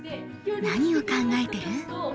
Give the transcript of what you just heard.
何を考えてる？